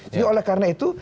jadi oleh karena itu